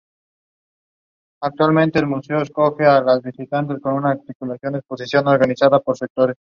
Color: blanco crema.